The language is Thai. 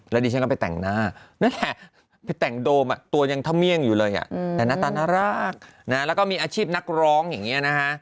แล้วดิฉันก็ไปแต่งหน้านั่นแหละไปแต่งโดมตัวยังทะเมี่ยงอยู่เลยแต่หน้าตาน่ารักแล้วก็มีอาชีพนักร้องอย่างนี้นะฮะ